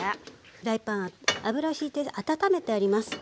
フライパン油をひいて温めてあります。